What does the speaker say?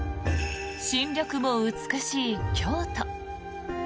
新緑も美しい京都。